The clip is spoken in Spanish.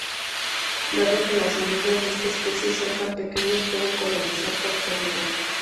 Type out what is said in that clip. Dado que las hormigas de esta especie son tan pequeñas, pueden colonizar cualquier lugar.